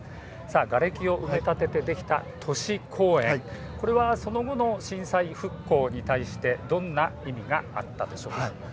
がれきを埋め立ててできた都市公園、これはその後の震災復興に対してどんな意味があったでしょうか。